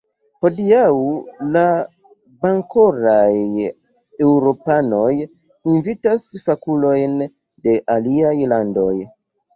Hodiaŭ la bonkoraj eŭropanoj invitas fakulojn de aliaj landoj.